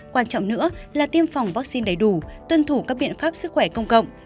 quan trọng nữa là tiêm phòng vaccine đầy đủ tuân thủ các biện pháp sức khỏe công cộng